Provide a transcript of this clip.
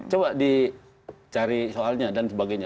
coba dicari soalnya dan sebagainya